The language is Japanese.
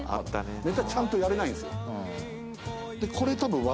ネタちゃんとやれないんですよ。